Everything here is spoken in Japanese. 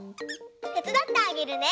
てつだってあげるね。